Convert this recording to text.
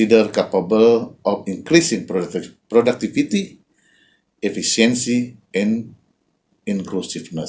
dapat meningkatkan produktivitas efisiensi dan inklusivitas